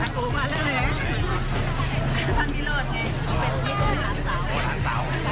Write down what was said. โทษโทษโทษ